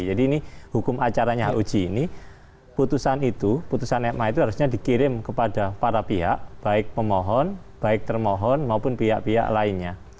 jadi ini hukum acaranya huj ini putusan itu putusan ma itu harusnya dikirim kepada para pihak baik pemohon baik termohon maupun pihak pihak lainnya